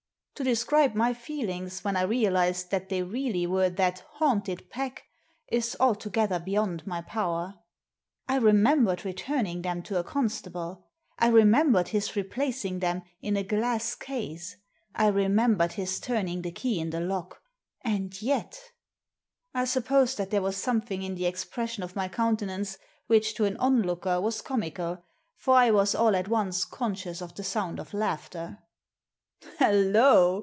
To describe my feelings when I realised that they really were that " haunted " pack is altogether beyond my power. I remembered returning them to a con stable ; I remembered his replacing them in a glass case ; I remembered his turning the key in the lock ; and yet I suppose that there was something in the ex pression of my countenance which to an onlooker was comical, for I was all at once conscious of the sound of laughter. " Hallo!"